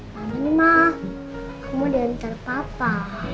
tapi nih mah kamu dental papa